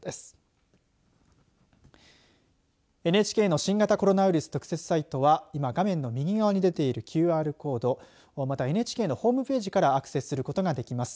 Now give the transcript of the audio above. ＮＨＫの新型コロナウイルス特設サイトは今画面の右側に出ているＱＲコードまたはＮＨＫのホームページからアクセスすることができます。